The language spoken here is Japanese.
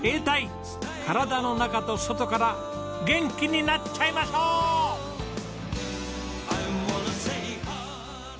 体の中と外から元気になっちゃいましょう！